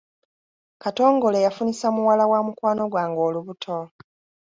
Katongole yafunisa muwala wa mukwano gwange olubuto.